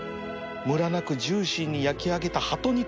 むらなくジューシーに焼き上げたハト肉